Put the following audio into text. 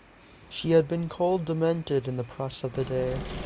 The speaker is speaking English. She had been called demented in the press of the day.